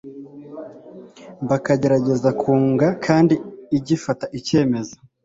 bakagerageza kunga kandi igafata icyemezo